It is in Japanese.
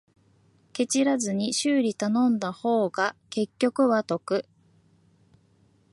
ケチらずに修理頼んだ方が結局は得